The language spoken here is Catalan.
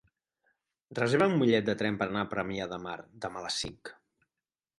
Reserva'm un bitllet de tren per anar a Premià de Mar demà a les cinc.